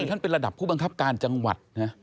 ท่านเป็นระดับผู้บังคับการจังหวัดนะ